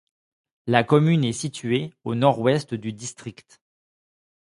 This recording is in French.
La commune est située au nord-ouest du district.